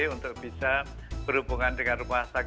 untuk bisa berhubungan dengan rumah sakit